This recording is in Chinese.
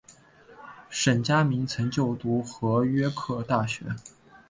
梁嘉铭曾就读和约克大学。